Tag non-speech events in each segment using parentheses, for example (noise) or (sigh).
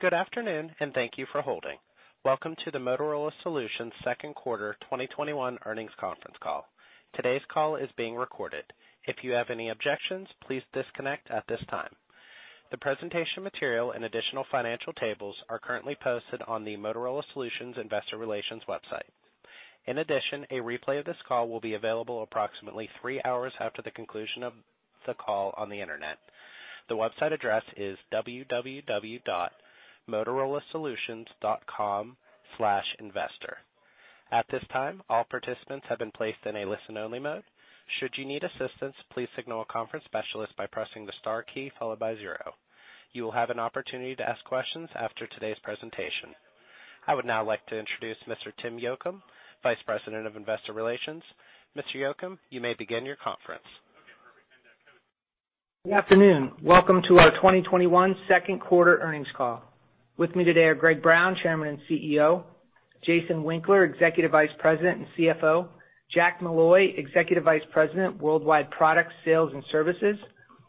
Good afternoon, and thank you for holding. Welcome to the Motorola Solutions second quarter 2021 earnings conference call. Today's call is being recorded. If you have any objections, please disconnect at this time. The presentation material and additional financial tables are currently posted on the Motorola Solutions investor relations website. In addition, a replay of this call will be available approximately three hours after the conclusion of the call on the internet. The website address is www.motorolasolutions.com/investor. At this time, all participants have been placed in a listen-only mode. Should you need assistance, please signal a conference specialist by pressing the star key followed by zero. You will have an opportunity to ask questions after today's presentation. I would now like to introduce Mr. Tim Yocum, Vice President of Investor Relations. Mr. Yocum, you may begin your conference. Okay, perfect. Good afternoon. Welcome to our 2021 second quarter earnings call. With me today are Greg Brown, Chairman and Chief Executive Officer, Jason Winkler, Executive Vice President and Chief Financial Officer, Jack Molloy, Executive Vice President, Worldwide Products, Sales, and Services,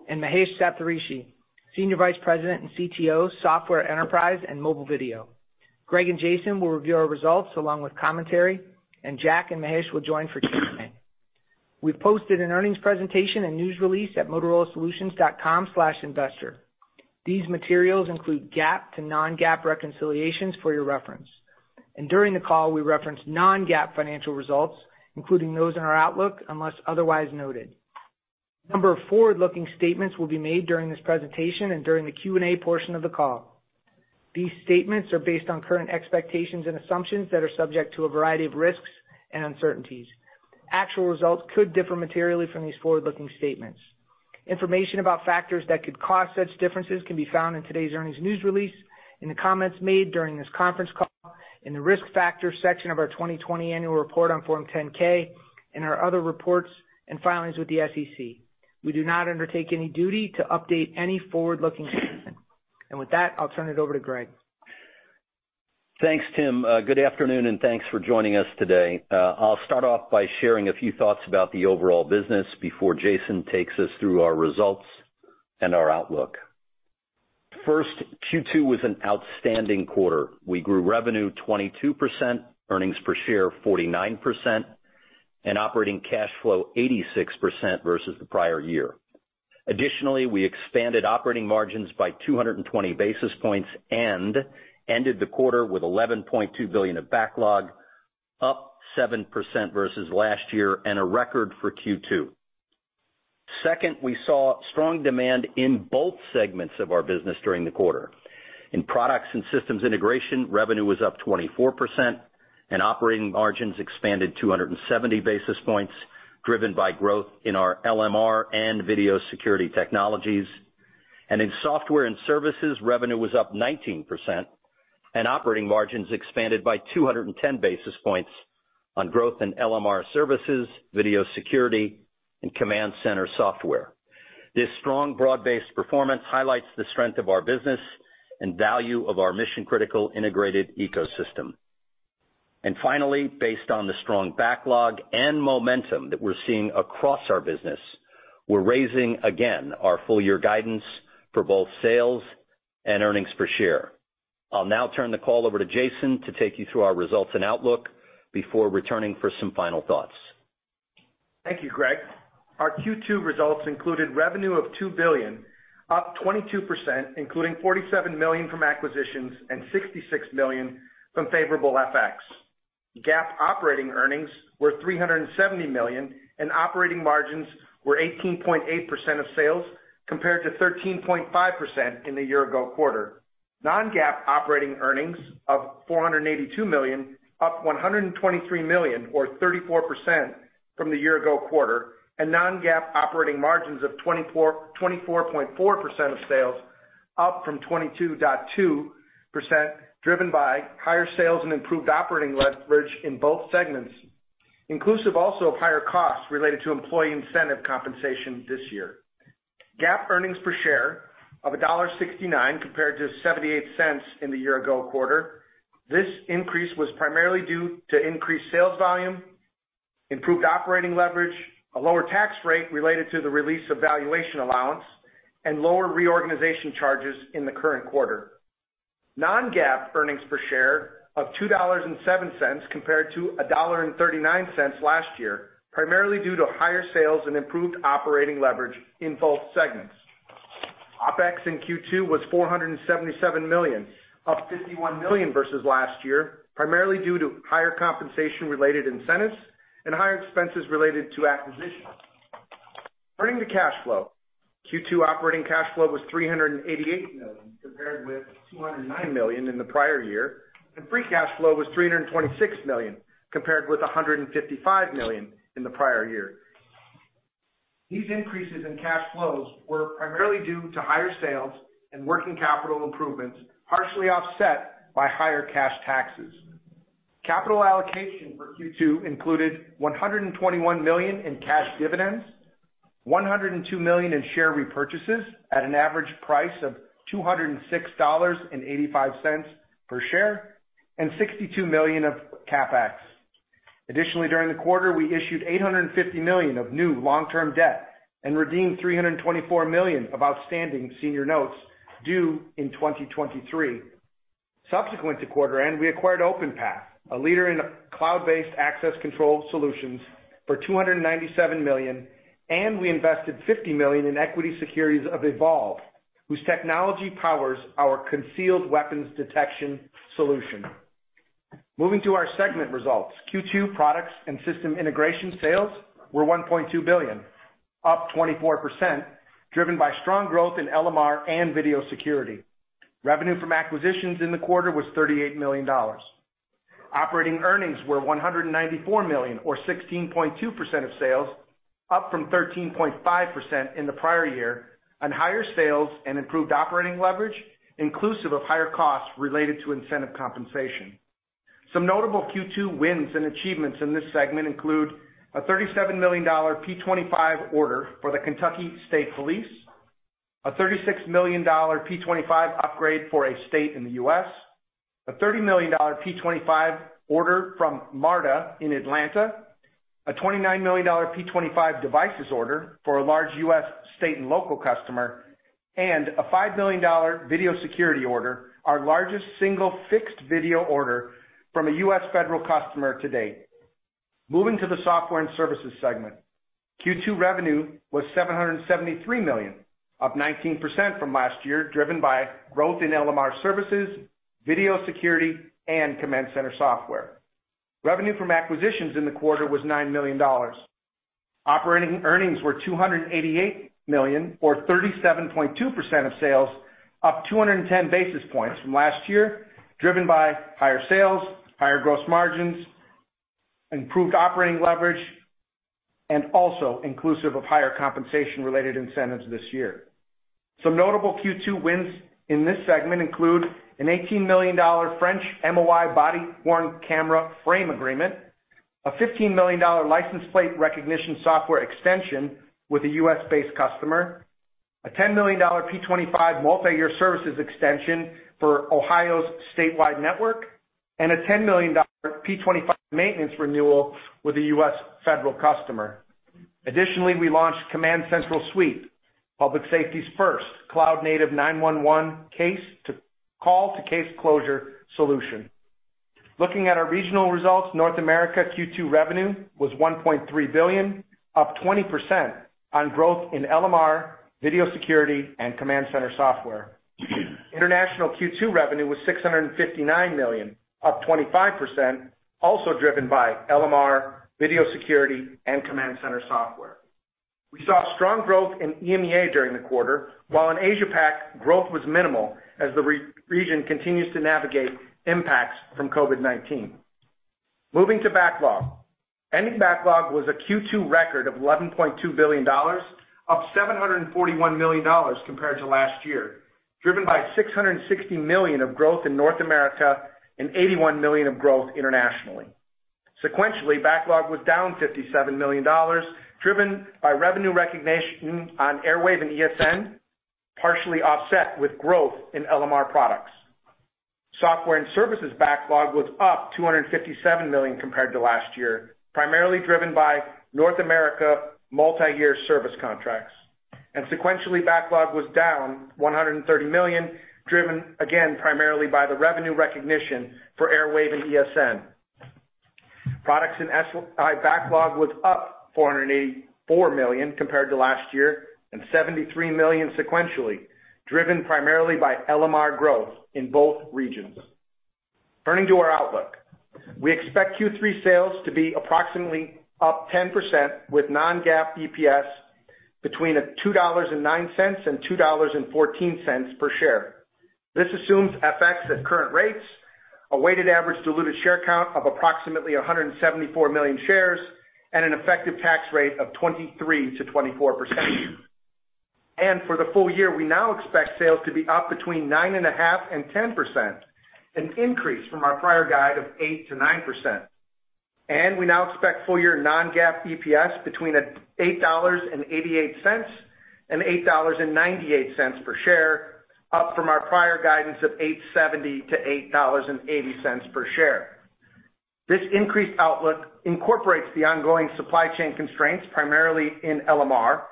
and Mahesh Saptharishi, Senior Vice President and Chief Technology Officer, Software, Enterprise, and Mobile Video. Greg and Jason will review our results along with commentary, and Jack and Mahesh will join for Q&A. We've posted an earnings presentation and news release at motorolasolutions.com/investor. These materials include GAAP to non-GAAP reconciliations for your reference. During the call, we reference non-GAAP financial results, including those in our outlook, unless otherwise noted. A number of forward-looking statements will be made during this presentation and during the Q&A portion of the call. These statements are based on current expectations and assumptions that are subject to a variety of risks and uncertainties. Actual results could differ materially from these forward-looking statements. Information about factors that could cause such differences can be found in today's earnings news release, in the comments made during this conference call, in the Risk Factors section of our 2020 Annual Report on Form 10-K, and our other reports and filings with the SEC. We do not undertake any duty to update any forward-looking statement. With that, I'll turn it over to Greg Brown. Thanks, Tim. Good afternoon, and thanks for joining us today. I'll start off by sharing a few thoughts about the overall business before Jason takes us through our results and our outlook. First, Q2 was an outstanding quarter. We grew revenue 22%, earnings per share 49%, and operating cash flow 86% versus the prior year. Additionally, we expanded operating margins by 220 basis points and ended the quarter with $11.2 billion of backlog, up 7% versus last year and a record for Q2. Second, we saw strong demand in both segments of our business during the quarter. In Products and Systems Integration, revenue was up 24% and operating margins expanded 270 basis points, driven by growth in our Land Mobile Radio and Video Security Technology. In software and services, revenue was up 19% and operating margins expanded by 210 basis points on growth in LMR services, Video Security, and Command Center Software. This strong broad-based performance highlights the strength of our business and value of our mission-critical integrated ecosystem. Finally, based on the strong backlog and momentum that we're seeing across our business, we're raising again our full-year guidance for both sales and EPS. I'll now turn the call over to Jason Winkler to take you through our results and outlook before returning for some final thoughts. Thank you, Greg. Our Q2 results included revenue of $2 billion, up 22%, including $47 million from acquisitions and $66 million from favorable FX. GAAP operating earnings were $370 million, and operating margins were 18.8% of sales, compared to 13.5% in the year-ago quarter. Non-GAAP operating earnings of $482 million, up $123 million or 34% from the year-ago quarter, and non-GAAP operating margins of 24.4% of sales, up from 22.2%, driven by higher sales and improved operating leverage in both segments, inclusive also of higher costs related to employee incentive compensation this year. GAAP earnings per share of $1.69 compared to $0.78 in the year-ago quarter. This increase was primarily due to increased sales volume, improved operating leverage, a lower tax rate related to the release of valuation allowance, and lower reorganization charges in the current quarter. Non-GAAP earnings per share of $2.07 compared to $1.39 last year, primarily due to higher sales and improved operating leverage in both segments. OpEx in Q2 was $477 million, up $51 million versus last year, primarily due to higher compensation-related incentives and higher expenses related to acquisitions. Turning to cash flow. Q2 operating cash flow was $388 million, compared with $209 million in the prior year, and free cash flow was $326 million, compared with $155 million in the prior year. These increases in cash flows were primarily due to higher sales and working capital improvements, partially offset by higher cash taxes. Capital allocation for Q2 included $121 million in cash dividends, $102 million in share repurchases at an average price of $206.85 per share, and $62 million of CapEx. During the quarter, we issued $850 million of new long-term debt and redeemed $324 million of outstanding senior notes due in 2023. Subsequent to quarter end, we acquired Openpath, a leader in cloud-based access control solutions, for $297 million, and we invested $50 million in equity securities of Evolv, whose technology powers our concealed weapons detection solution. Moving to our segment results, Q2 products and system integration sales were $1.2 billion, up 24%, driven by strong growth in LMR and video security. Revenue from acquisitions in the quarter was $38 million. Operating earnings were $194 million, or 16.2% of sales, up from 13.5% in the prior year, on higher sales and improved operating leverage, inclusive of higher costs related to incentive compensation. Some notable Q2 wins and achievements in this segment include a $37 million P25 order for the Kentucky State Police, a $36 million P25 upgrade for a state in the U.S., a $30 million P25 order from MARTA in Atlanta, a $29 million P25 devices order for a large U.S. state and local customer, and a $5 million video security order, our largest single fixed video order from a U.S. federal customer to date. Moving to the software and services segment. Q2 revenue was $773 million, up 19% from last year, driven by growth in LMR services, Video Security, and Command Center Software. Revenue from acquisitions in the quarter was $9 million. Operating earnings were $288 million, or 37.2% of sales, up 210 basis points from last year, driven by higher sales, higher gross margins, improved operating leverage, and also inclusive of higher compensation related incentives this year. Some notable Q2 wins in this segment include an $18 million French Ministry of the Interior body-worn camera frame agreement, a $15 million license plate recognition software extension with a U.S.-based customer, a $10 million P25 multi-year services extension for Ohio's statewide network, and a $10 million P25 maintenance renewal with a U.S. federal customer. Additionally, we launched CommandCentral Suite, public safety's first cloud-native 911 call to case closure solution. Looking at our regional results, North America Q2 revenue was $1.3 billion, up 20% on growth in LMR, Video Security, and Command Center Software. International Q2 revenue was $659 million, up 25%, also driven by LMR, Video Security, and Command Center Software. We saw strong growth in EMEA during the quarter, while in Asia Pacific, growth was minimal as the region continues to navigate impacts from COVID-19. Moving to backlog. Ending backlog was a Q2 record of $11.2 billion, up $741 million compared to last year, driven by $660 million of growth in North America and $81 million of growth internationally. Sequentially, backlog was down $57 million, driven by revenue recognition on Airwave and Emergency Services Network, partially offset with growth in LMR products. Software and services backlog was up $257 million compared to last year, primarily driven by North America multi-year service contracts. Sequentially, backlog was down $130 million, driven again primarily by the revenue recognition for Airwave and ESN. Products and Systems Integration backlog was up $484 million compared to last year, and $73 million sequentially, driven primarily by LMR growth in both regions. Turning to our outlook. We expect Q3 sales to be approximately up 10%, with non-GAAP EPS between $2.09 and $2.14 per share. This assumes FX at current rates, a weighted average diluted share count of approximately 174 million shares, and an effective tax rate of 23%-24%. For the full year, we now expect sales to be up between 9.5%-10%, an increase from our prior guide of 8%-9%. We now expect full year non-GAAP EPS between $8.88-$8.98 per share, up from our prior guidance of $8.70-$8.80 per share. This increased outlook incorporates the ongoing supply chain constraints, primarily in LMR,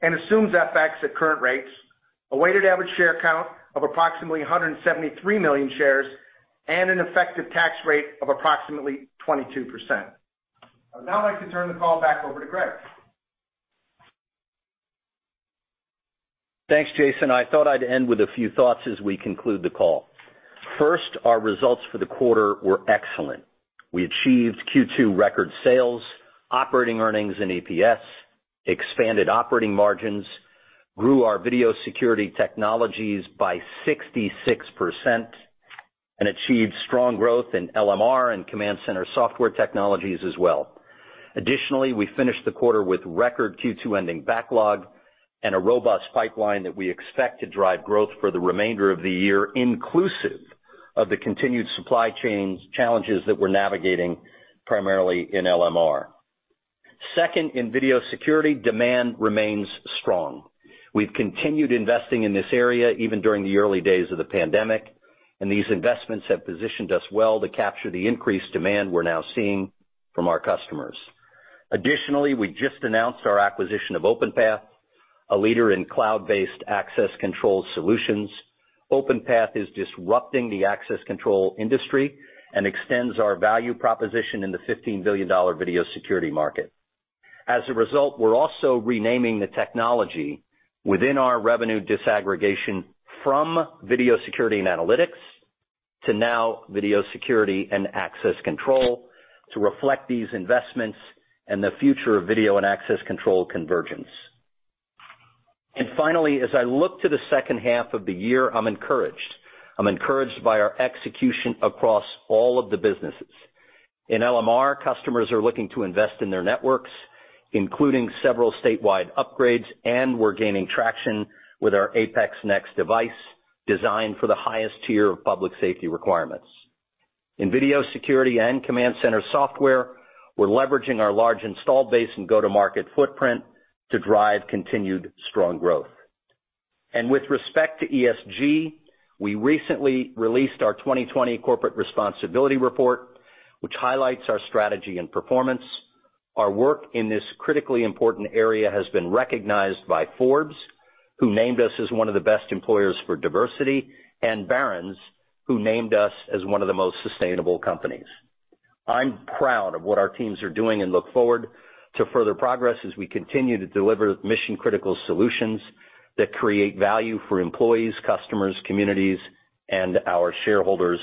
and assumes FX at current rates, a weighted average share count of approximately 173 million shares, and an effective tax rate of approximately 22%. I would now like to turn the call back over to Greg. Thanks, Jason. I thought I'd end with a few thoughts as we conclude the call. First, our results for the quarter were excellent. We achieved Q2 record sales, operating earnings and EPS, expanded operating margins, grew our Video Security Technology by 66%, and achieved strong growth in LMR and command center software technologies as well. Additionally, we finished the quarter with record Q2 ending backlog and a robust pipeline that we expect to drive growth for the remainder of the year, inclusive of the continued supply chain challenges that we're navigating primarily in LMR. Second, in video security, demand remains strong. We've continued investing in this area even during the early days of the pandemic, and these investments have positioned us well to capture the increased demand we're now seeing from our customers. Additionally, we just announced our acquisition of Openpath, a leader in cloud-based access control solutions. Openpath is disrupting the access control industry and extends our value proposition in the $15 billion video security market. We're also renaming the technology within our revenue disaggregation from Video Security & Analytics to now Video Security & Access Control to reflect these investments and the future of video and access control convergence. Finally, as I look to the second half of the year, I'm encouraged. I'm encouraged by our execution across all of the businesses. In LMR, customers are looking to invest in their networks, including several statewide upgrades, and we're gaining traction with our APX NEXT device, designed for the highest tier of public safety requirements. In Video Security and CommandCentral Suite, we're leveraging our large installed base and go-to-market footprint to drive continued strong growth. With respect to ESG, we recently released our 2020 Corporate Responsibility Report, which highlights our strategy and performance. Our work in this critically important area has been recognized by Forbes, who named us as one of the best employers for diversity, and Barron's, who named us as one of the most sustainable companies. I'm proud of what our teams are doing and look forward to further progress as we continue to deliver mission-critical solutions that create value for employees, customers, communities, and our shareholders.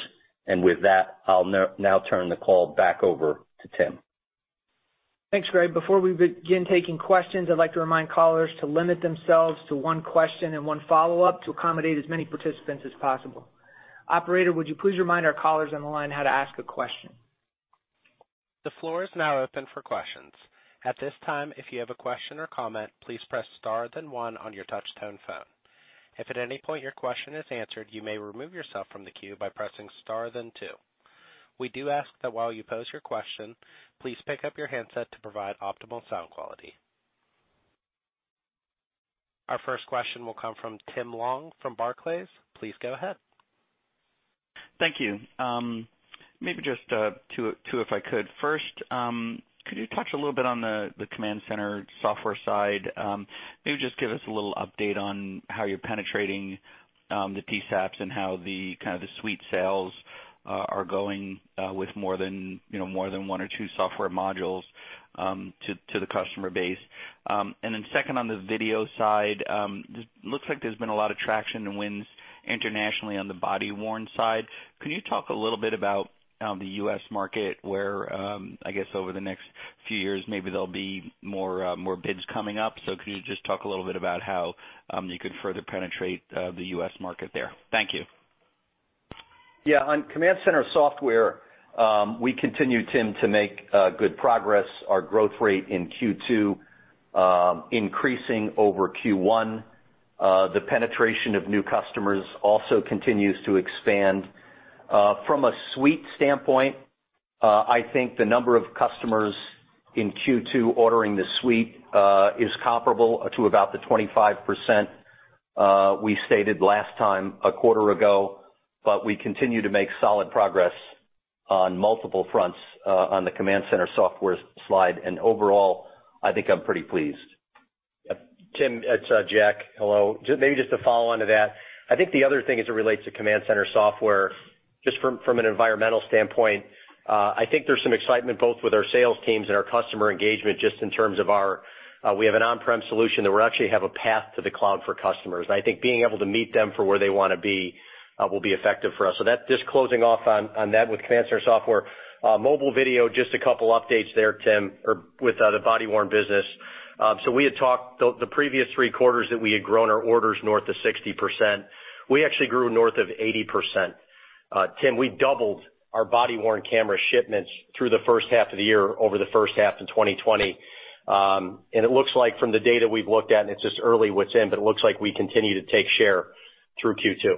With that, I'll now turn the call back over to Tim Yocum. Thanks, Greg. Before we begin taking questions, I'd like to remind callers to limit themselves to one question and one follow-up to accommodate as many participants as possible. Operator, would you please remind our callers on the line how to ask a question? The floor is now open for questions. At this time, if you have a question or comment please press star then one on you touchtone phone. If any of your question is answered, you may remove your question from the queue by pressing star then two. While we post your question please pick up your handset to provide optimum quality. Our first question will come from Tim Long from Barclays. Please go ahead. Thank you. Maybe just two, if I could. First, could you touch a little bit on the CommandCentral Suite side? Maybe just give us a little update on how you're penetrating the Public Safety Answering Points and how the suite sales are going with more than one or two software modules to the customer base? Second, on the video side, looks like there's been a lot of traction and wins internationally on the body-worn side. Can you talk a little bit about the U.S. market where, I guess over the next few years, maybe there'll be more bids coming up. Could you just talk a little bit about how you could further penetrate the U.S. market there? Thank you. On Command Center Software, we continue, Tim, to make good progress. Our growth rate in Q2 increasing over Q1. The penetration of new customers also continues to expand. From a suite standpoint, I think the number of customers in Q2 ordering the suite is comparable to about the 25% we stated last time a quarter ago, but we continue to make solid progress on multiple fronts on the Command Center Software slide, and overall, I think I'm pretty pleased. Tim, it's Jack. Hello. Just to follow on to that. I think the other thing as it relates to CommandCentral Suite, just from an environmental standpoint, I think there's some excitement both with our sales teams and our customer engagement just in terms of our, we have an on-premise solution that we actually have a path to the cloud for customers. I think being able to meet them for where they want to be will be effective for us. Just closing off on that with CommandCentral Suite. Mobile video, just couple of updates there, Tim, or with the body-worn business. We had talked the previous three quarters that we had grown our orders north of 60%. We actually grew north of 80%. Tim, we doubled our body-worn camera shipments through the first half of the year over the first half in 2020. It looks like from the data we've looked at, and it's just early what's in, but it looks like we continue to take share through Q2.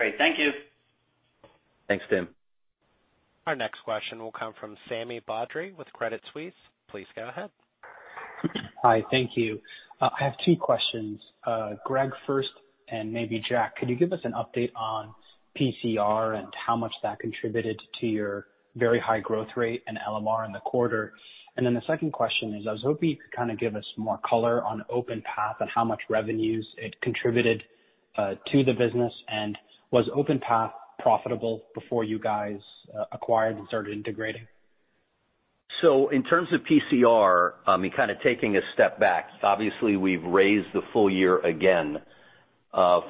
Great. Thank you. Thanks, Tim. Our next question will come from Sami Badri with Credit Suisse. Please go ahead. Hi. Thank you. I have two questions. Greg first, and maybe Jack. Could you give us an update on PCR and how much that contributed to your very high growth rate in LMR in the quarter? The second question is, I was hoping you could kind of give us more color on Openpath and how much revenues it contributed to the business, and was Openpath profitable before you guys acquired and started integrating? In terms of PCR, and kind of taking a step back, obviously we've raised the full year again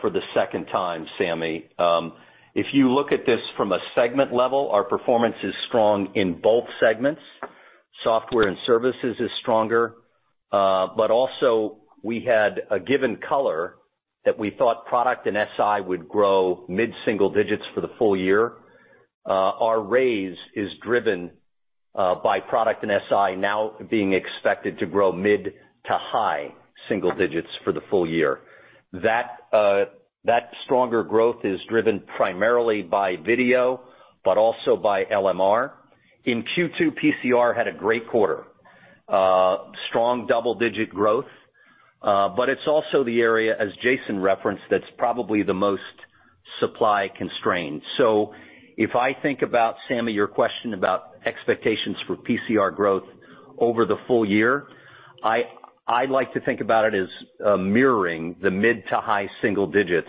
for the second time, Sami. If you look at this from a segment level, our performance is strong in both segments. Software and services is stronger. Also, we had a given color that we thought product and SI would grow mid-single digits for the full year. Our raise is driven by product and SI now being expected to grow mid to high single digits for the full year. That stronger growth is driven primarily by Video, but also by LMR. In Q2, PCR had a great quarter. Strong double-digit growth, it's also the area, as Jason referenced, that's probably the most supply-constrained. If I think about, Sami, your question about expectations for PCR growth over the full year, I'd like to think about it as mirroring the mid to high single digits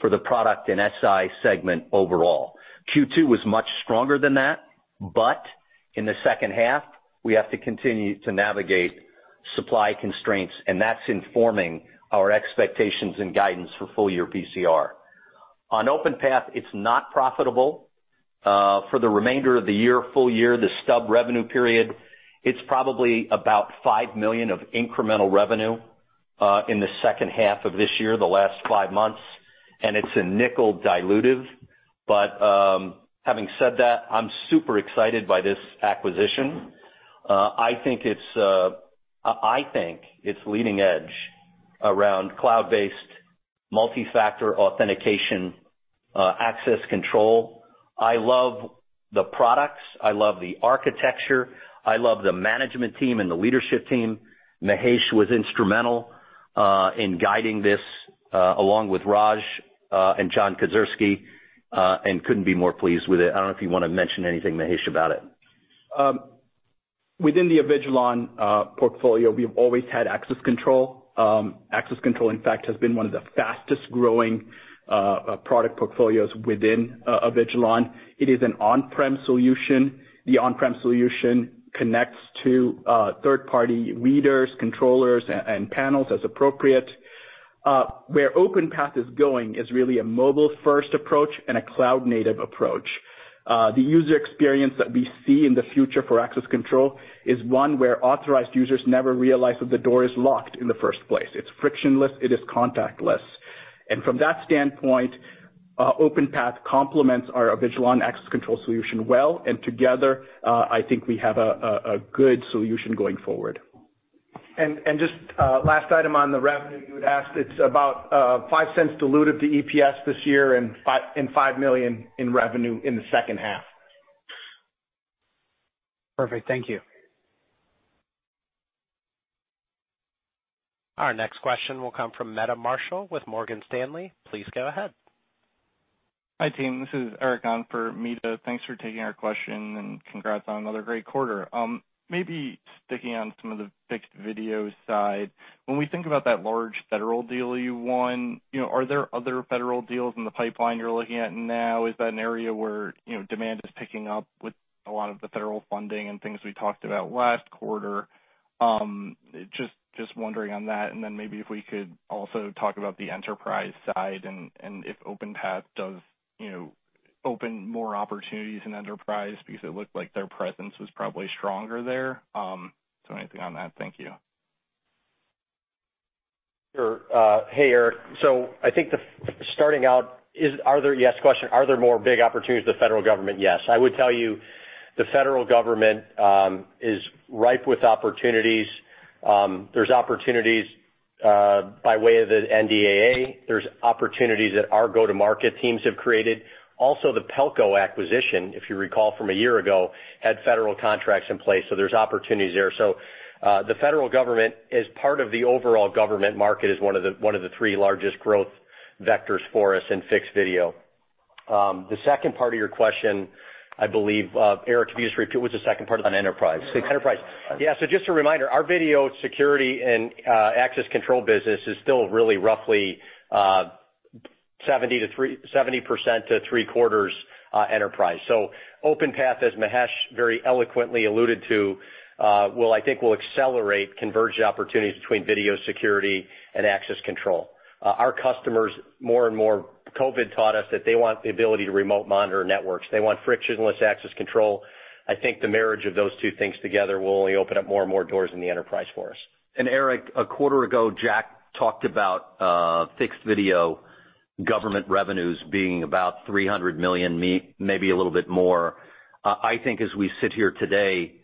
for the product and SI segment overall. Q2 was much stronger than that, but in the second half, we have to continue to navigate supply constraints, and that's informing our expectations and guidance for full-year PCR. On Openpath, it's not profitable. For the remainder of the year, full year, the stub revenue period, it's probably about $5 million of incremental revenue, in the second half of this year, the last five months, and it's $0.05 dilutive. Having said that, I'm super excited by this acquisition. I think it's leading edge around cloud-based multi-factor authentication, access control. I love the products. I love the architecture. I love the management team and the leadership team. Mahesh was instrumental in guiding this, along with Raj, and John Kedzierski, and couldn't be more pleased with it. I don't know if you want to mention anything, Mahesh, about it. Within the Avigilon portfolio, we've always had access control. Access control, in fact, has been one of the fastest-growing product portfolios within Avigilon. It is an on-prem solution. The on-prem solution connects to third-party readers, controllers, and panels as appropriate. Where OpenPath is going is really a mobile-first approach and a cloud-native approach. The user experience that we see in the future for access control is one where authorized users never realize that the door is locked in the first place. It's frictionless, it is contactless. From that standpoint, OpenPath complements our Avigilon access control solution well, and together, I think we have a good solution going forward. Just last item on the revenue you had asked, it's about $0.05 diluted to EPS this year and $5 million in revenue in the second half. Perfect. Thank you. Our next question will come from Meta Marshall with Morgan Stanley. Please go ahead. Hi, team. This is Eric on for Meta. Thanks for taking our question and congrats on another great quarter. Sticking on some of the fixed video side. When we think about that large federal deal you won, are there other federal deals in the pipeline you're looking at now? Is that an area where demand is picking up with a lot of the federal funding and things we talked about last quarter? Just wondering on that, if we could also talk about the enterprise side and if Openpath does open more opportunities in enterprise because it looked like their presence was probably stronger there. Anything on that? Thank you. Sure. Hey, Eric. I think starting out, yes question, are there more big opportunities with the federal government? Yes. I would tell you the federal government is ripe with opportunities. There's opportunities by way of the National Defense Authorization Act. There's opportunities that our go-to-market teams have created. Also, the Pelco acquisition, if you recall from a year ago, had federal contracts in place, so there's opportunities there. The federal government is part of the overall government market as one of the three largest growth vectors for us in fixed video. The second part of your question, I believe, Eric, if you just repeat what was the second part of that? On enterprise. Enterprise. Yeah, just a reminder, our Video Security & Access Control business is still really roughly 70% to 3/4 enterprise. Openpath, as Mahesh very eloquently alluded to, I think will accelerate converged opportunities between Video Security and Access Control. Our customers more and more, COVID-19 taught us that they want the ability to remote monitor networks. They want frictionless access control. I think the marriage of those two things together will only open up more and more doors in the enterprise for us. Eric, a quarter ago, Jack talked about fixed video government revenues being about $300 million, maybe a little bit more. I think as we sit here today,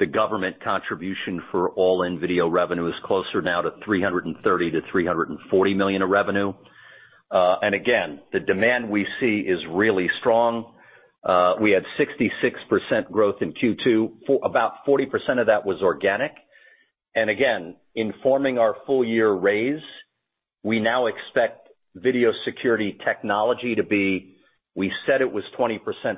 the government contribution for all end video revenue is closer now to $330 million-$340 million of revenue. Again, the demand we see is really strong. We had 66% growth in Q2. About 40% of that was organic. Again, informing our full-year raise, we now expect Video Security Technology to be, we said it was 20%+,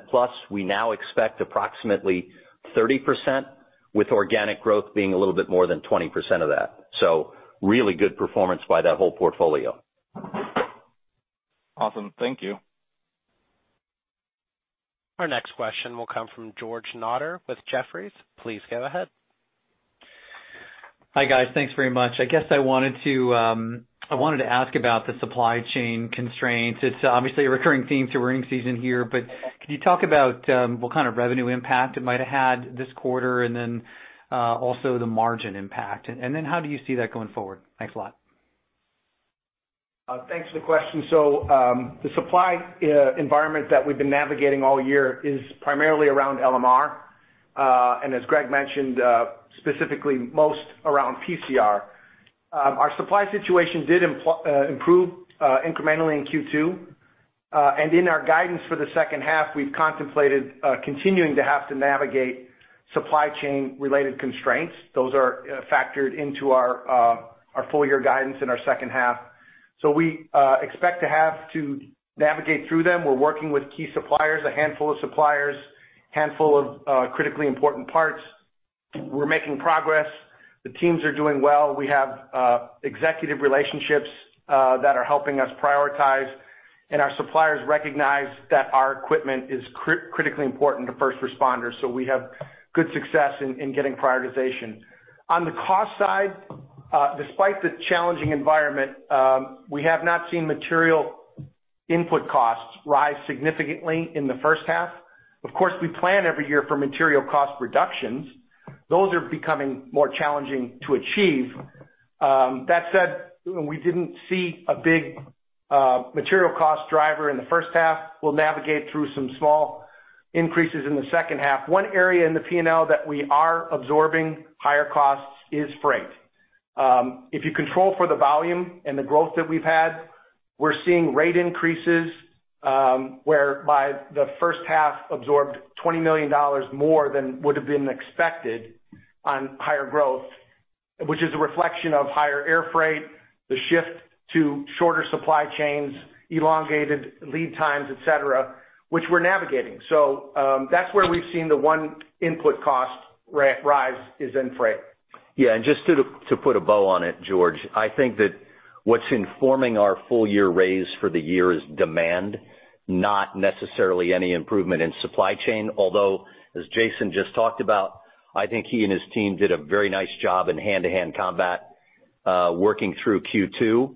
we now expect approximately 30%, with organic growth being a little bit more than 20% of that. Really good performance by that whole portfolio. Awesome. Thank you. Our next question will come from George Notter with Jefferies. Please go ahead. Hi, guys. Thanks very much. I guess I wanted to ask about the supply chain constraints. It is obviously a recurring theme through earnings season here, but can you talk about what kind of revenue impact it might have had this quarter, and then also the margin impact? How do you see that going forward? Thanks a lot. Thanks for the question. The supply environment that we've been navigating all year is primarily around LMR. As Greg mentioned, specifically most around PCR. Our supply situation did improve incrementally in Q2. In our guidance for the second half, we've contemplated continuing to have to navigate supply chain related constraints. Those are factored into our full year guidance in our second half. We expect to have to navigate through them. We're working with key suppliers, a handful of suppliers, a handful of critically important parts. We're making progress. The teams are doing well. We have executive relationships that are helping us prioritize, and our suppliers recognize that our equipment is critically important to first responders, so we have good success in getting prioritization. On the cost side, despite the challenging environment, we have not seen material input costs rise significantly in the first half. Of course, we plan every year for material cost reductions. Those are becoming more challenging to achieve. That said, we didn't see a big material cost driver in the first half. We'll navigate through some small increases in the second half. One area in the Profit and Loss that we are absorbing higher costs is freight. If you control for the volume and the growth that we've had, we're seeing rate increases, whereby the first half absorbed $20 million more than would've been expected on higher growth, which is a reflection of higher air freight, the shift to shorter supply chains, elongated lead times, et cetera, which we're navigating. That's where we've seen the one input cost rise is in freight. Yeah, just to put a bow on it, George, I think that what's informing our full year raise for the year is demand, not necessarily any improvement in supply chain. Although, as Jason just talked about, I think he and his team did a very nice job in hand-to-hand combat, working through Q2.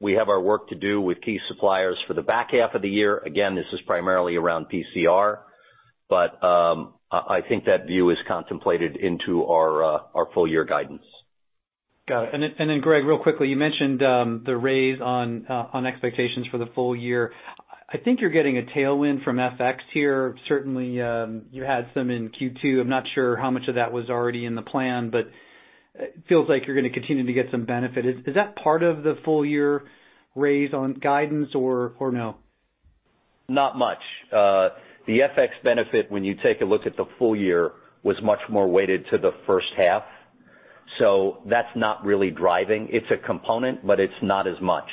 We have our work to do with key suppliers for the back half of the year. Again, this is primarily around PCR. I think that view is contemplated into our full year guidance. Got it. Greg, real quickly, you mentioned the raise on expectations for the full year. I think you're getting a tailwind from FX here. Certainly, you had some in Q2. I'm not sure how much of that was already in the plan, but it feels like you're going to continue to get some benefit. Is that part of the full year raise on guidance or no? Not much. The FX benefit, when you take a look at the full year, was much more weighted to the first half. That's not really driving. It's a component, but it's not as much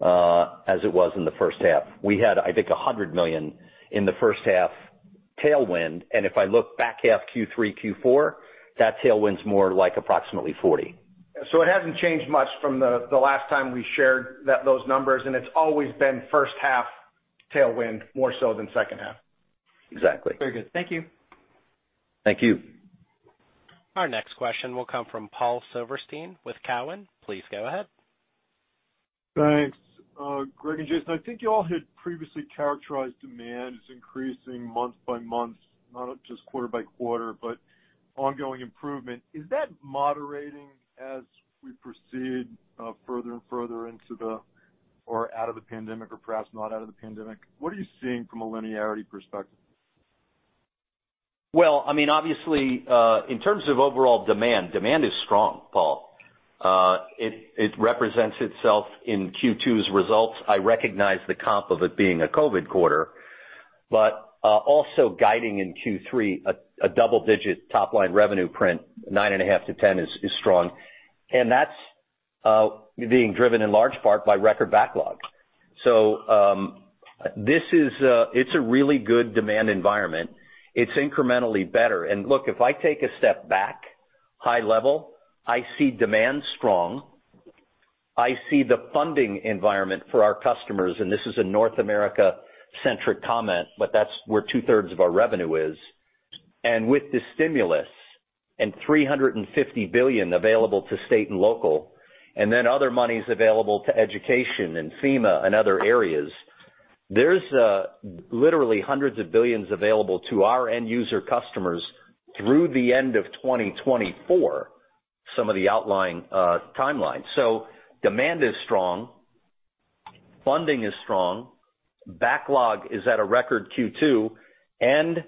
as it was in the first half. We had, I think, $100 million in the first half tailwind, and if I look back half Q3, Q4, that tailwind's more like approximately $40. It hasn't changed much from the last time we shared those numbers, and it's always been first half tailwind, more so than second half. Exactly. Very good. Thank you. Thank you. Our next question will come from Paul Silverstein with TD Cowen. Please go ahead. Thanks, Greg and Jason. I think you all had previously characterized demand as increasing month by month, not just quarter by quarter, but ongoing improvement. Is that moderating as we proceed further and further into the, or out of the pandemic, or perhaps not out of the pandemic? What are you seeing from a linearity perspective? Well, obviously, in terms of overall demand is strong, Paul. It represents itself in Q2's results. I recognize the comp of it being a COVID-19 quarter, but also guiding in Q3 a double-digit top-line revenue print, 9.5%-10% is strong. That's being driven in large part by record backlogs. It's a really good demand environment. It's incrementally better. Look, if I take a step back, high level, I see demand strong. I see the funding environment for our customers, this is a North America-centric comment, but that's where two-thirds of our revenue is. With the stimulus and $350 billion available to state and local, other monies available to education and Federal Emergency Management Agency and other areas, there's literally hundreds of billions available to our end user customers through the end of 2024, some of the outlying timelines. Demand is strong, funding is strong, backlog is at a record Q2, and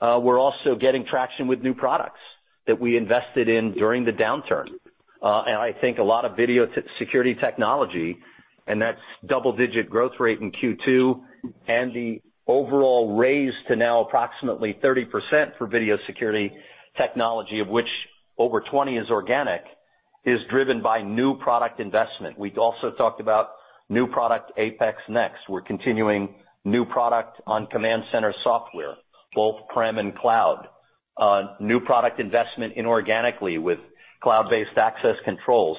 we're also getting traction with new products that we invested in during the downturn. I think a lot of Video Security Technology, and that's double-digit growth rate in Q2, and the overall raise to now approximately 30% for Video Security Technology, of which over 20 is organic, is driven by new product investment. We'd also talked about new product APX NEXT. We're continuing new product on Command Center software, both on-premises and cloud. New product investment inorganically with cloud-based access control.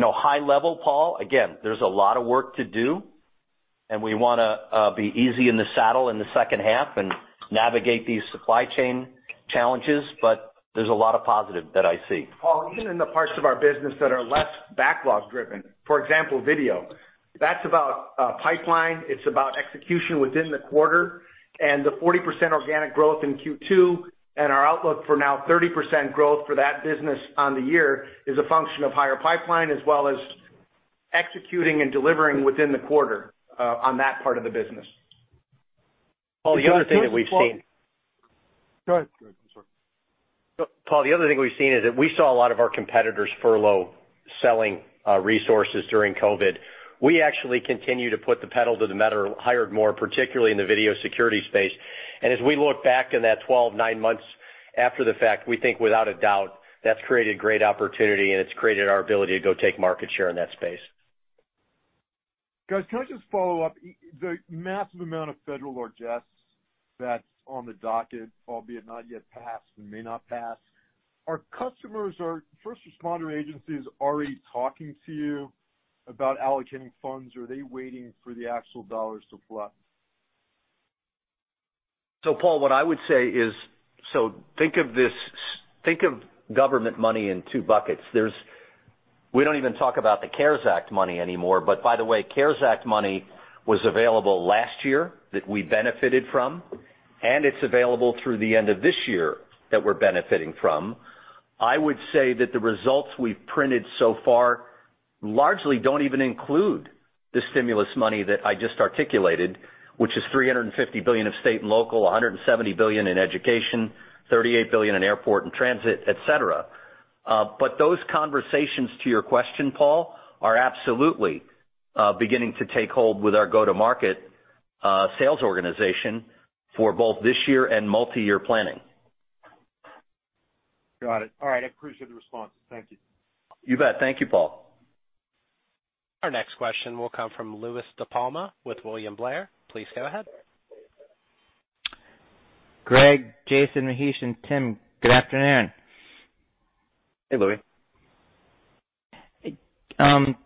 High level, Paul, again, there's a lot of work to do, and we want to be easy in the saddle in the second half and navigate these supply chain challenges, but there's a lot of positive that I see. Paul, even in the parts of our business that are less backlog driven, for example, video, that's about pipeline. It's about execution within the quarter. The 40% organic growth in Q2 and our outlook for now 30% growth for that business on the year is a function of higher pipeline, as well as executing and delivering within the quarter on that part of the business. Paul, the other thing that we've seen. Go ahead. Paul, the other thing we've seen is that we saw a lot of our competitors furlough selling resources during COVID. We actually continue to put the pedal to the metal, hired more, particularly in the video security space. As we look back in that 12, nine months after the fact, we think, without a doubt, that's created great opportunity and it's created our ability to go take market share in that space. Guys, can I just follow up? The massive amount of federal American Rescue Plan Act that's on the docket, albeit not yet passed and may not pass, are customers or first responder agencies already talking to you about allocating funds, or are they waiting for the actual dollars to flow? Paul, what I would say is, think of government money in two buckets. We don't even talk about the CARES Act money anymore, CARES Act money was available last year that we benefited from, and it's available through the end of this year that we're benefiting from. I would say that the results we've printed so far largely don't even include the stimulus money that I just articulated, which is $350 billion of state and local, $170 billion in education, $38 billion in airport and transit, et cetera. Those conversations, to your question, Paul, are absolutely beginning to take hold with our go-to-market sales organization for both this year and multi-year planning. Got it. All right. I appreciate the response. Thank you. You bet. Thank you, Paul. Our next question will come from Louie DiPalma with William Blair. Please go ahead. Greg, Jason, Mahesh, and Tim, good afternoon. Hey, Louie.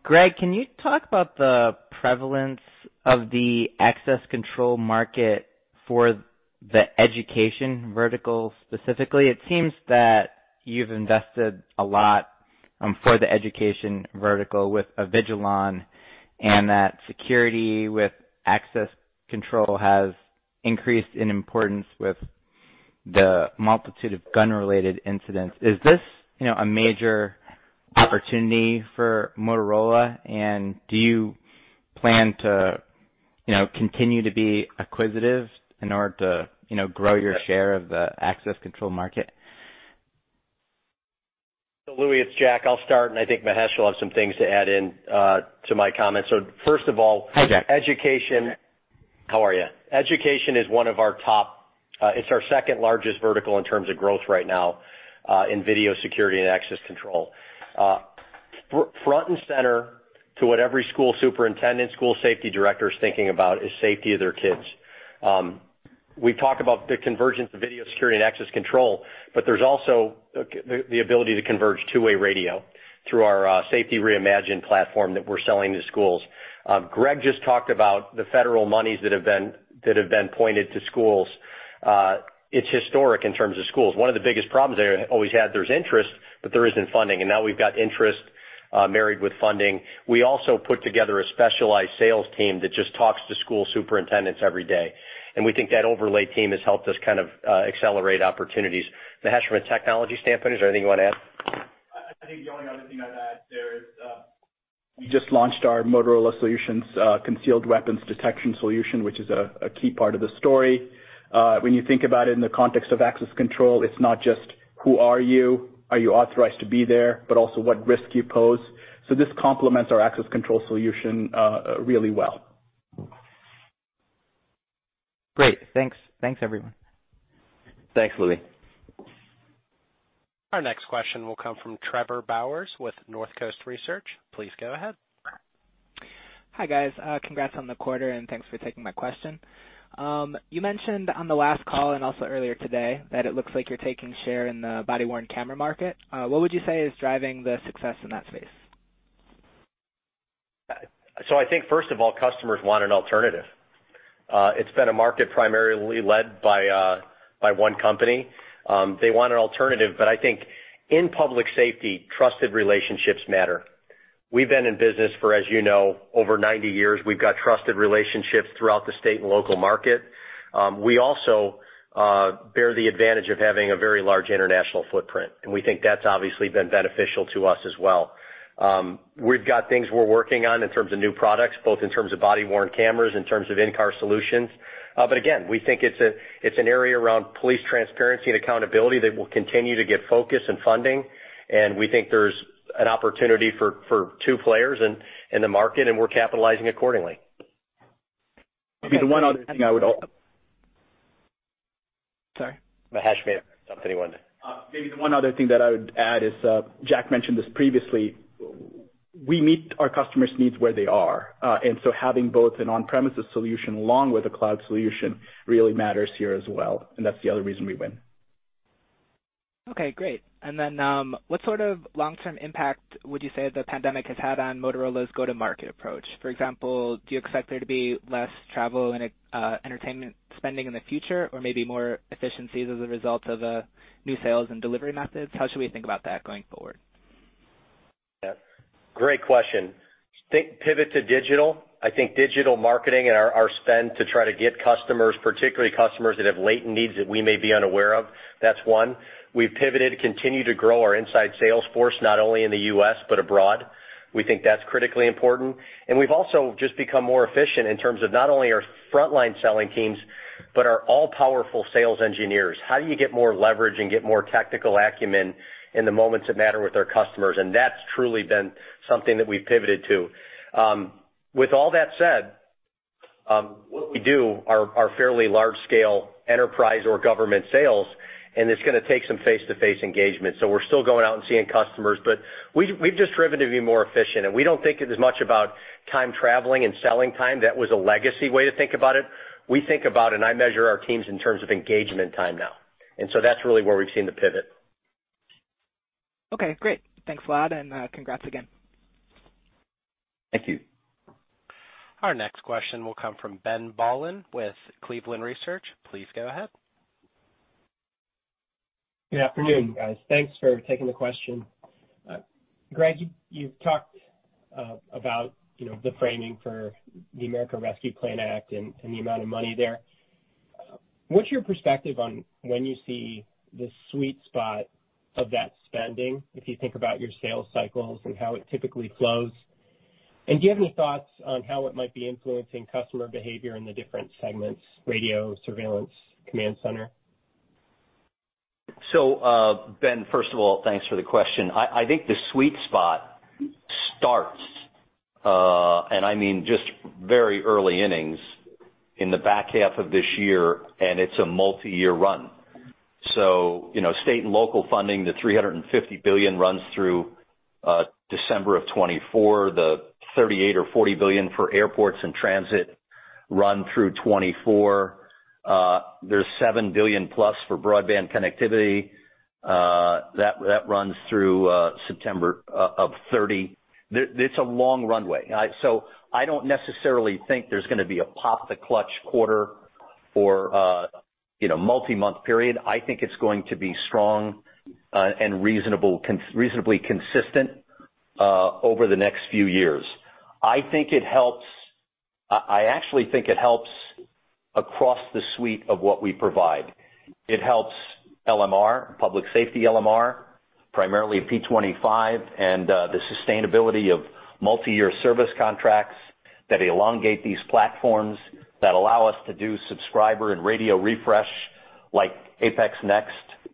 Greg, can you talk about the prevalence of the access control market for the education vertical specifically? It seems that you've invested a lot for the education vertical with Avigilon, and that security with access control has increased in importance with the multitude of gun-related incidents. Is this a major opportunity for Motorola, and do you plan to continue to be acquisitive in order to grow your share of the access control market? Louie, it's Jack. I'll start, and I think Mahesh will have some things to add in to my comments. Hi, Jack. How are you? Education is one of our top, it's our second-largest vertical in terms of growth right now, in Video Security & Access Control. Front and center to what every school superintendent, school safety director is thinking about is safety of their kids. We talk about the convergence of Video Security & Access Control, but there's also the ability to converge two-way radio through our Safety Reimagined platform that we're selling to schools. Greg just talked about the federal monies that have been pointed to schools. It's historic in terms of schools. One of the biggest problems they always had, there's interest, but there isn't funding. Now we've got interest married with funding. We also put together a specialized sales team that just talks to school superintendents every day, and we think that overlay team has helped us accelerate opportunities. Mahesh, from a technology standpoint, is there anything you want to add? I think the only other thing I'd add there is, we just launched our Motorola Solutions concealed weapons detection solution, which is a key part of the story. When you think about it in the context of access control, it's not just who are you, are you authorized to be there, but also what risk you pose. This complements our access control solution really well. Great. Thanks, everyone. Thanks, Louie. Our next question will come from Trevor Bowers with Northcoast Research. Please go ahead. Hi, guys. Congrats on the quarter. Thanks for taking my question. You mentioned on the last call and also earlier today that it looks like you're taking share in the body-worn camera market. What would you say is driving the success in that space? I think first of all, customers want an alternative. It's been a market primarily led by one company. They want an alternative, but I think in public safety, trusted relationships matter. We've been in business for, as you know, over 90 years. We've got trusted relationships throughout the state and local market. We also bear the advantage of having a very large international footprint, and we think that's obviously been beneficial to us as well. We've got things we're working on in terms of new products, both in terms of body-worn cameras, in terms of in-car solutions. Again, we think it's an area around police transparency and accountability that will continue to get focus and funding. We think there's an opportunity for two players in the market, and we're capitalizing accordingly. Maybe the one other thing I would. (crosstalk) Sorry? Mahesh, maybe. Maybe the one other thing that I would add is, Jack mentioned this previously, we meet our customers' needs where they are. Having both an on-premises solution along with a cloud solution really matters here as well, and that's the other reason we win. Okay, great. What sort of long-term impact would you say the pandemic has had on Motorola's go-to-market approach? For example, do you expect there to be less travel and entertainment spending in the future, or maybe more efficiencies as a result of new sales and delivery methods? How should we think about that going forward? Yeah. Great question. Think pivot to digital. I think digital marketing and our spend to try to get customers, particularly customers that have latent needs that we may be unaware of. That's one. We've pivoted to continue to grow our inside sales force, not only in the U.S., but abroad. We think that's critically important. We've also just become more efficient in terms of not only our frontline selling teams, but our all-powerful sales engineers. How do you get more leverage and get more tactical acumen in the moments that matter with our customers? That's truly been something that we've pivoted to. With all that said, what we do are fairly large-scale enterprise or government sales, and it's going to take some face-to-face engagement. We're still going out and seeing customers, but we've just driven to be more efficient, and we don't think it as much about time traveling and selling time. That was a legacy way to think about it. We think about, and I measure our teams in terms of engagement time now. That's really where we've seen the pivot. Okay, great. Thanks a lot, and congrats again. Thank you. Our next question will come from Ben Bollin with Cleveland Research. Please go ahead. Good afternoon, guys. Thanks for taking the question. Greg, you've talked about the framing for the American Rescue Plan Act and the amount of money there. What's your perspective on when you see the sweet spot of that spending, if you think about your sales cycles and how it typically flows? Do you have any thoughts on how it might be influencing customer behavior in the different segments, radio, surveillance, command center? Ben, first of all, thanks for the question. I think the sweet spot starts, and I mean just very early innings, in the back half of this year, and it's a multi-year run. State and local funding, the $350 billion runs through December of 2024. The $38 billion or $40 billion for airports and transit run through 2024. There's $7+ billion for broadband connectivity. That runs through September of 2030. It's a long runway. I don't necessarily think there's going to be a pop-the-clutch quarter or multi-month period. I think it's going to be strong and reasonably consistent over the next few years. I actually think it helps across the suite of what we provide. It helps LMR, public safety LMR, primarily P25, and the sustainability of multi-year service contracts that elongate these platforms that allow us to do subscriber and radio refresh, like APX NEXT,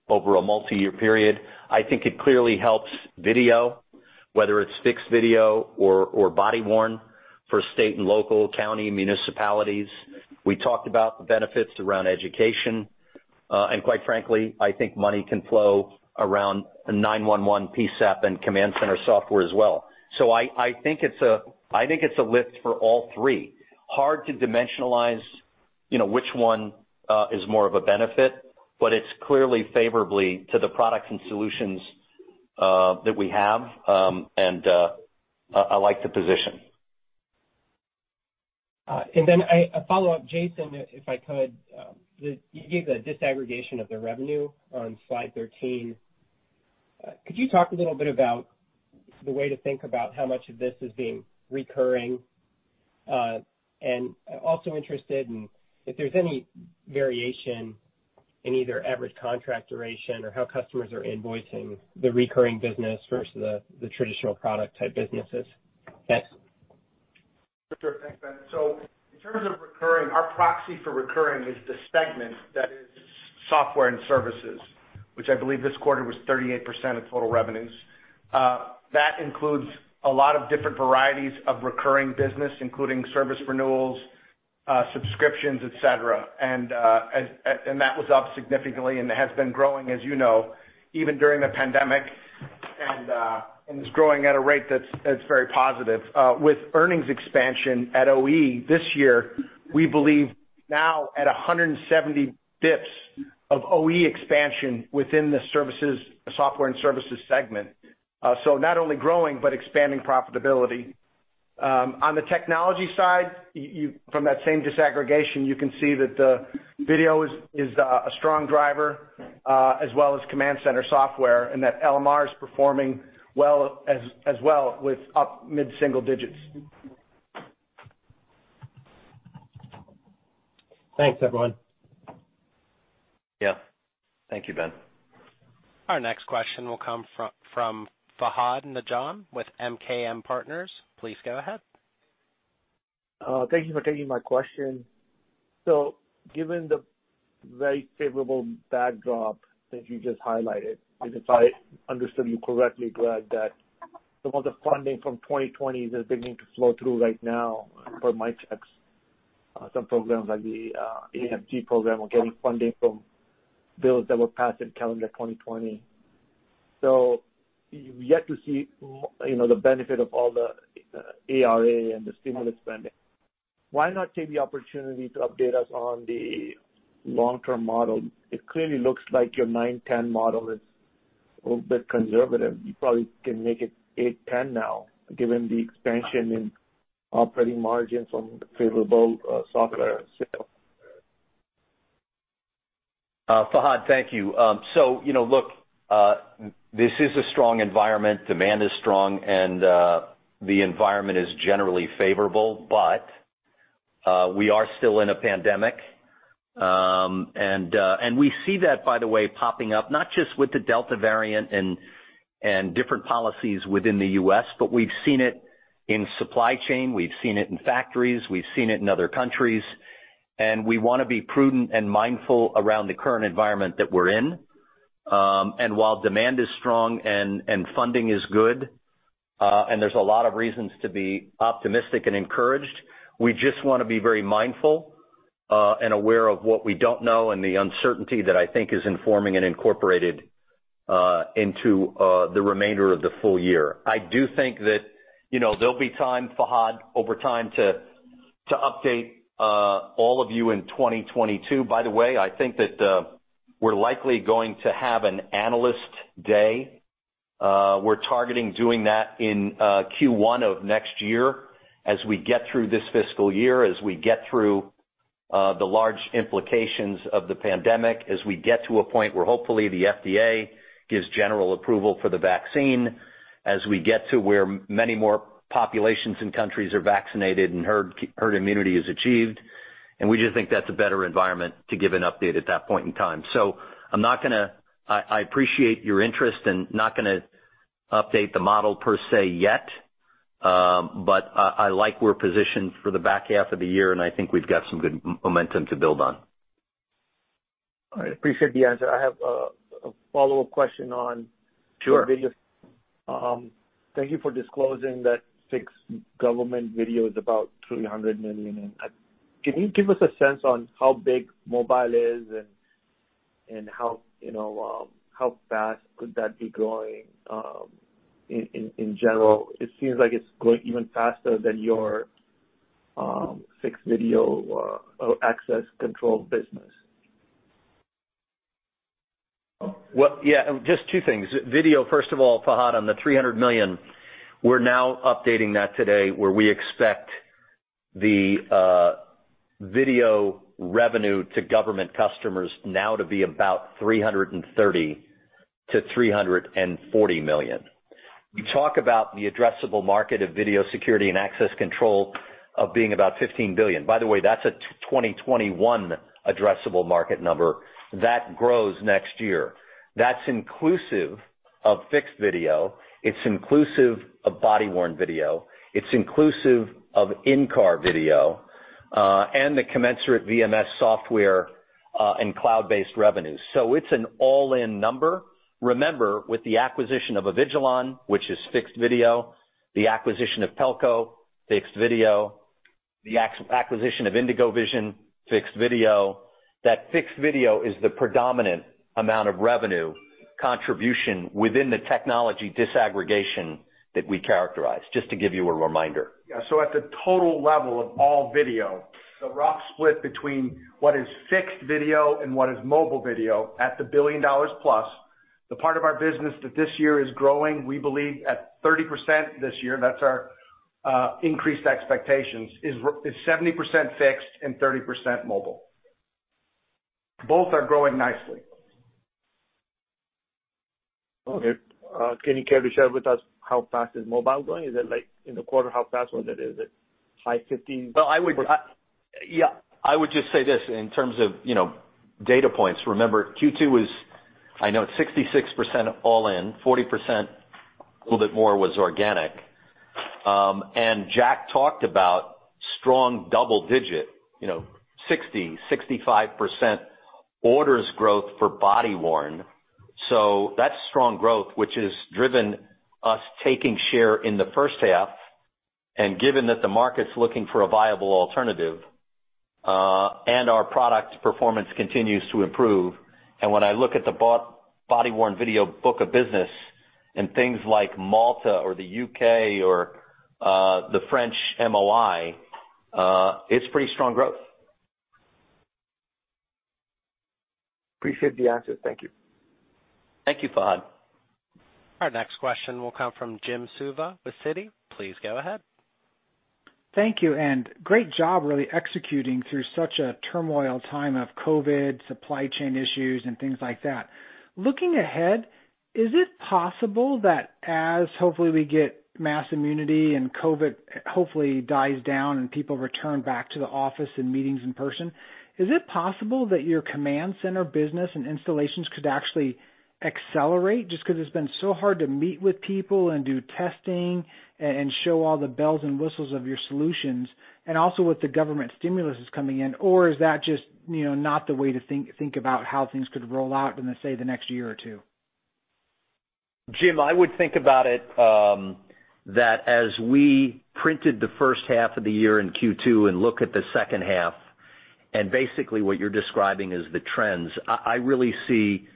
over a multi-year period. I think it clearly helps video, whether it's fixed video or body-worn for state and local county municipalities. We talked about the benefits around education. Quite frankly, I think money can flow around the 911 PSAP and command center software as well. I think it's a lift for all three. Hard to dimensionalize which one is more of a benefit, but it's clearly favorably to the products and solutions that we have, and I like the position. A follow-up, Jason, if I could. You gave the disaggregation of the revenue on slide 13. Could you talk a little bit about the way to think about how much of this is being recurring? Also interested in if there's any variation in either average contract duration or how customers are invoicing the recurring business versus the traditional product-type businesses? Thanks. Sure thing, Ben Bollin. In terms of recurring, our proxy for recurring is the segment that is software and services, which I believe this quarter was 38% of total revenues. That includes a lot of different varieties of recurring business, including service renewals, subscriptions, et cetera. That was up significantly and has been growing as you know, even during the pandemic, and is growing at a rate that's very positive. With earnings expansion at Operating Earnings this year, we believe now at 170 basis points of OE expansion within the software and services segment. Not only growing, but expanding profitability. On the technology side, from that same disaggregation, you can see that the Video Security & Access Control is a strong driver, as well as CommandCentral Suite, and that LMR is performing as well with up mid-single digits. Thanks, everyone. Yeah. Thank you, Ben. Our next question will come from Fahad Najam with MKM Partners. Please go ahead. Thank you for taking my question. Given the very favorable backdrop that you just highlighted, if I understood you correctly, Greg, that some of the funding from 2020 is beginning to flow through right now per my checks. Some programs like the AMP program are getting funding from bills that were passed in calendar 2020. You've yet to see the benefit of all the ARPA and the stimulus spending. Why not take the opportunity to update us on the long-term model? It clearly looks like your 9%, 10% model is a little bit conservative. You probably can make it 8%, now, given the expansion in operating margins on the favorable software sale. Fahad, thank you. Look, this is a strong environment. Demand is strong and the environment is generally favorable, but We are still in a pandemic. We see that, by the way, popping up, not just with the Delta variant and different policies within the U.S., but we've seen it in supply chain, we've seen it in factories, we've seen it in other countries. We want to be prudent and mindful around the current environment that we're in. While demand is strong and funding is good, and there's a lot of reasons to be optimistic and encouraged, we just want to be very mindful and aware of what we don't know and the uncertainty that I think is informing and incorporated into the remainder of the full year. I do think that there'll be time, Fahad, over time to update all of you in 2022. By the way, I think that we're likely going to have an analyst day. We're targeting doing that in Q1 of next year as we get through this fiscal year, as we get through the large implications of the pandemic, as we get to a point where hopefully the FDA gives general approval for the vaccine, as we get to where many more populations and countries are vaccinated and herd immunity is achieved. We just think that's a better environment to give an update at that point in time. I appreciate your interest, and not going to update the model per se yet. I like we're positioned for the back half of the year, and I think we've got some good momentum to build on. I appreciate the answer. I have a follow-up question.--Sure--video. Thank you for disclosing that fixed government video is about $300 million. Can you give us a sense on how big mobile is and how fast could that be growing, in general? It seems like it's growing even faster than your fixed video or Access Control Business. Yeah. Just two things. Video, first of all, Fahad, on the $300 million, we're now updating that today where we expect the video revenue to government customers now to be about $330 million-$340 million. You talk about the addressable market of Video Security & Access Control of being about $15 billion. By the way, that's a 2021 addressable market number. That grows next year. That's inclusive of fixed video. It's inclusive of body-worn video. It's inclusive of in-car video, and the commensurate Video Management Software, and cloud-based revenues. It's an all-in number. Remember, with the acquisition of Avigilon, which is fixed video, the acquisition of Pelco, fixed video, the acquisition of IndigoVision, fixed video. That fixed video is the predominant amount of revenue contribution within the technology disaggregation that we characterize, just to give you a reminder. Yeah. At the total level of all video, the rough split between what is fixed video and what is mobile video at the $1+ billion, the part of our business that this year is growing, we believe at 30% this year, that's our increased expectations, is 70% fixed and 30% mobile. Both are growing nicely. Okay. Can you care to share with us how fast is mobile growing? Is it like in the quarter, how fast was it? Is it high 15%? I would just say this, in terms of data points, remember Q2 was, I know it's 66% all in, 40%, a little bit more was organic. Jack talked about strong double-digit, 60%-65% orders growth for body-worn. That's strong growth, which has driven us taking share in the first half. Given that the market's looking for a viable alternative, and our product performance continues to improve, and when I look at the body-worn video book of business and things like Malta or the U.K. or the French Ministry of the Interior, it's pretty strong growth. Appreciate the answer. Thank you. Thank you, Fahad. Our next question will come from Jim Suva with Citi. Please go ahead. Thank you. Great job really executing through such a turmoil time of COVID, supply chain issues, and things like that. Looking ahead, is it possible that as hopefully we get mass immunity and COVID hopefully dies down and people return back to the office and meetings in person, is it possible that your command center business and installations could actually accelerate just because it's been so hard to meet with people and do testing and show all the bells and whistles of your solutions, and also with the government stimulus coming in? Is that just not the way to think about how things could roll out in, let’s say, the next one or two years? Jim, I would think about it, that as we printed the first half of the year in Q2 and look at the second half, basically what you're describing is the trends. I really see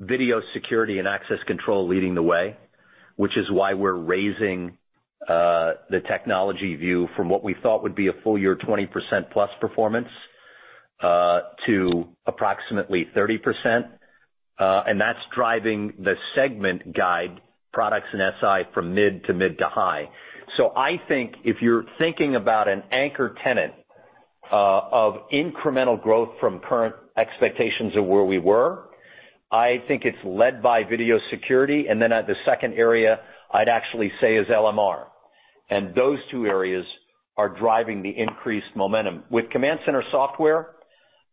Video Security & Access Control leading the way, which is why we're raising the technology view from what we thought would be a full year 20%+ performance, to approximately 30%. That's driving the segment guide products and SI from mid to mid to high. I think if you're thinking about an anchor tenant of incremental growth from current expectations of where we were, I think it's led by Video Security & Access Control, and then the second area I'd actually say is LMR. Those two areas are driving the increased momentum. With command center software,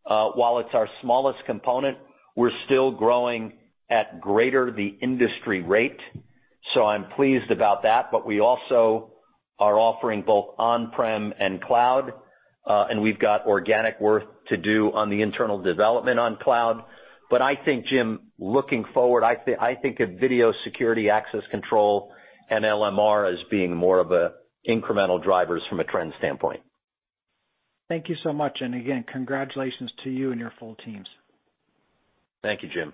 while it's our smallest component, we're still growing at greater the industry rate. I'm pleased about that. We also are offering both on-premise and cloud, and we've got organic work to do on the internal development on cloud. I think, Jim, looking forward, I think of Video Security and Access Control, and LMR as being more of incremental drivers from a trend standpoint. Thank you so much, and again, congratulations to you and your full teams. Thank you, Jim.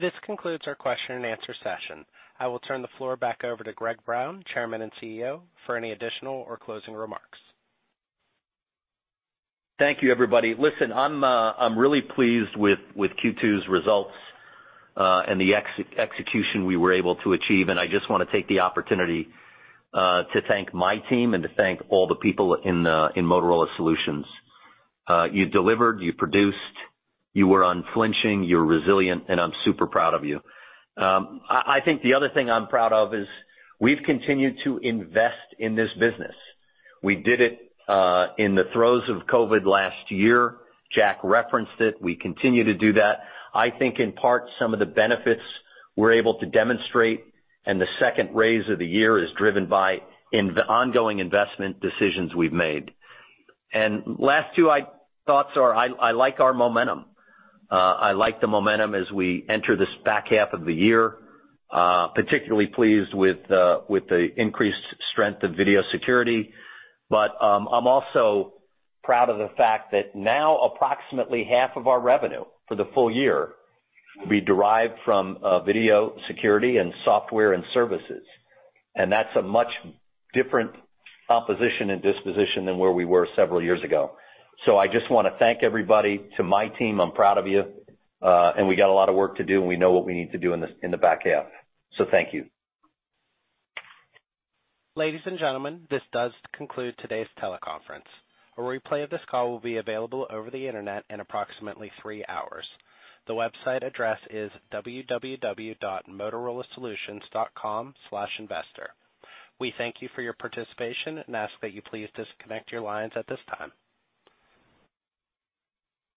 This concludes our question and answer session. I will turn the floor back over to Greg Brown, Chairman and CEO, for any additional or closing remarks. Thank you everybody. Listen, I'm really pleased with Q2's results, and the execution we were able to achieve. I just want to take the opportunity to thank my team and to thank all the people in Motorola Solutions. You delivered, you produced, you were unflinching, you were resilient, and I'm super proud of you. I think the other thing I'm proud of is we've continued to invest in this business. We did it in the throes of COVID last year. Jack referenced it. We continue to do that. I think in part, some of the benefits we're able to demonstrate and the second raise of the year is driven by ongoing investment decisions we've made. Last two thoughts are, I like our momentum. I like the momentum as we enter this back half of the year. Particularly pleased with the increased strength of video security. I'm also proud of the fact that now approximately half of our revenue for the full year will be derived from Video Security and Access Control and services. That's a much different composition and disposition than where we were several years ago. I just want to thank everybody. To my team, I'm proud of you. We got a lot of work to do, and we know what we need to do in the back half. Thank you. Ladies and gentlemen, this does conclude today's teleconference. A replay of this call will be available over the internet in approximately three hours. The website address is www.motorolasolutions.com/investor. We thank you for your participation and ask that you please disconnect your lines at this time.